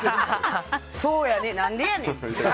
そうやね何でやねん！